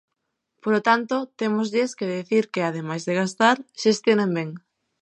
Polo tanto, témoslles que dicir que, ademais de gastar, xestionen ben.